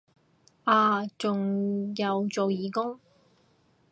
啊仲有做義工